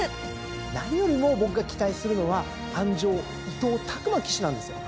何よりも僕が期待するのは鞍上伊藤工真騎手なんですよ。